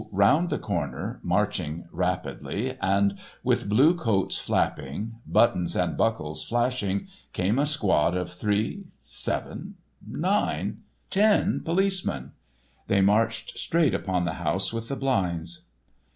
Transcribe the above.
around the corner, marching rapidly, and with blue coats flapping, buttons and buckles flashing, came a squad of three, seven, nine—ten policemen. They marched straight upon the house with the blinds.